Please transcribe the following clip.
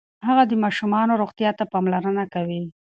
هغه د ماشومانو روغتیا ته پاملرنه کوي.